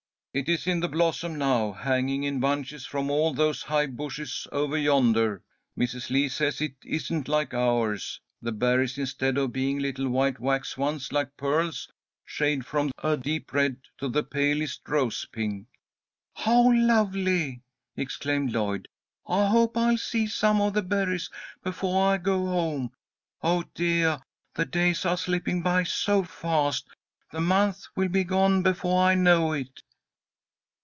"It is in blossom now, hanging in bunches from all those high bushes over yonder. Mrs. Lee says it isn't like ours. The berries, instead of being little white wax ones like pearls, shade from a deep red to the palest rose pink." "How lovely!" exclaimed Lloyd. "I hope I'll see some of the berries befoah I go home. Oh, deah! the days are slipping by so fast. The month will be gone befoah I know it."